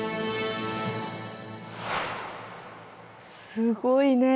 すごいね。